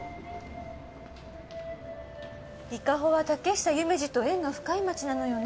伊香保は竹久夢二と縁が深い町なのよね。